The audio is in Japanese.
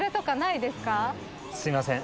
すいません